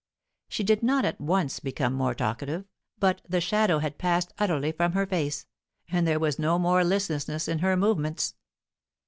She did not at once become more talkative, but the shadow had passed utterly from her face, and there was no more listlessness in her movements.